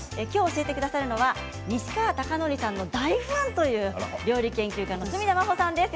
教えてくださるのは西川貴教さんの大ファンという料理研究家の角田真秀さんです。